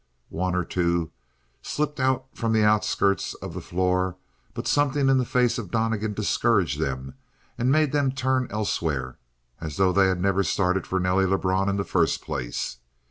One or two slipped out from the outskirts of the floor, but something in the face of Donnegan discouraged them and made them turn elsewhere as though they had never started for Nelly Lebrun in the first place.